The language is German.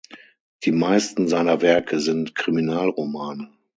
Die meisten seiner Werke sind Kriminalromane.